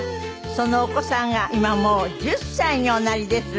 そのお子さんが今もう１０歳におなりです。